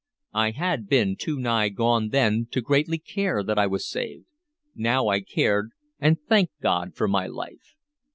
I had been too nigh gone then to greatly care that I was saved; now I cared, and thanked God for my life.